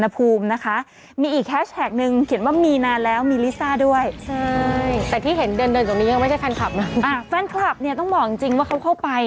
แฟนคลับต้องบอกจริงว่าเขาเข้าไป